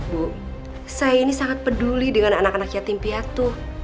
bu saya ini sangat peduli dengan anak anak yatim piatu